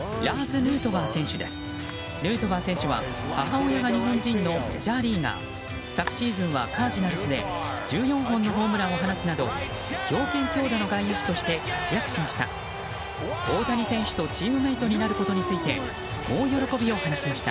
ヌートバー選手は母親が日本人のメジャーリーガー。昨シーズンはカージナルスで１４本のホームランを放つなど強肩強打の外野手として活躍しました。